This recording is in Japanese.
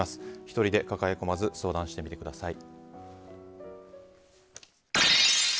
１人で抱え込まず相談してみてください。